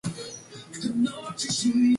Many baked goods require a lot of time and focus.